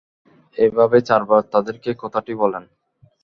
এভাবে চারবার তাদেরকে কথাটি বলেন।